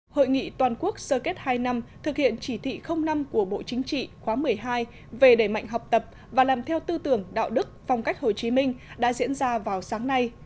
hội nghị toàn quốc sơ kết hai năm thực hiện chỉ thị năm của bộ chính trị khóa một mươi hai về đẩy mạnh học tập và làm theo tư tưởng đạo đức phong cách hồ chí minh đã diễn ra vào sáng nay